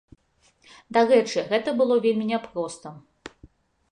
Дарэчы, гэта было вельмі няпроста.